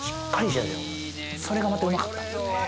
それがまたうまかった。